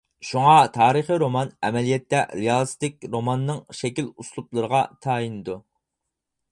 شۇڭا، تارىخىي رومان ئەمەلىيەتتە رېئالىستىك روماننىڭ شەكىل ئۇسلۇبلىرىغا تايىنىدۇ.